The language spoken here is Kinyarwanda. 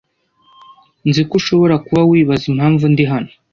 Nzi ko ushobora kuba wibaza impamvu ndi hano